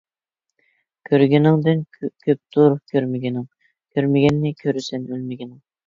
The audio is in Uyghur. كۆرگىنىڭدىن كۆپتۈر كۆرمىگىنىڭ، كۆرمىگەننى كۆرىسەن ئۆلمىگىنىڭ.